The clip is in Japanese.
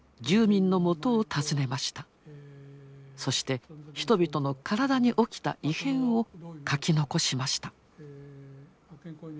そして人々の体に起きた異変を書き残しました。